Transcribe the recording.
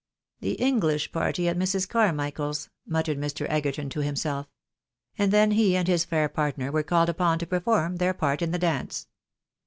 " The English party at JNIrs. Carmichael's," muttered Mr. Egerton to himself. And then he and his fair partner were caUed upon to perform their part in the dance.